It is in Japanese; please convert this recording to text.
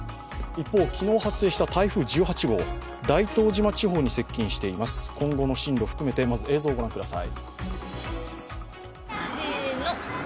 一方、昨日発生した台風１８号、大東島付近に接近していて今後の進路含めてまず、映像ご覧ください。